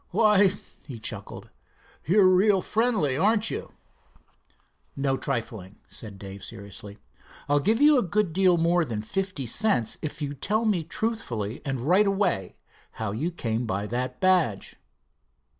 "Why," he chuckled, "you're real friendly, aren't you?" "No trifling," said Dave seriously. "I'll give you a good deal more than fifty cents if you tell me truthfully and right away how you came by that badge."